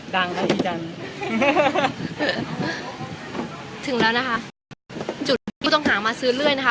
ดังนะพี่ดังถึงแล้วนะคะจุดผู้ต้องหามาซื้อเรื่อยนะคะ